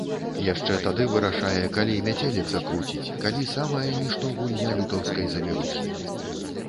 Яшчэ тады вырашае, калі мяцеліца круціць, калі самая нішто гульня лютаўскай завірухі.